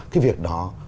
cái việc đó